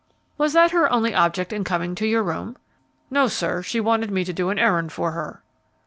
"Was that her only object in coming to your room?" "No, sir; she wanted me to do an errand for her."